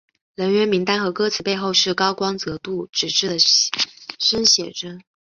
人员名单和歌词背后是高光泽度纸质的生写真。